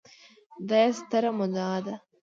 دا يې ستره مدعا ده